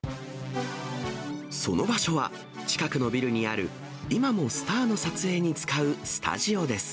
その場所は、近くのビルにある今もスターの撮影に使うスタジオです。